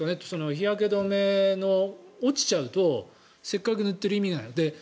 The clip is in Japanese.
日焼け止めが落ちちゃうとせっかく塗ってる意味がない。